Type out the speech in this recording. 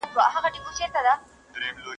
هر ځای چي پريکړه لازمه وي سياست سته.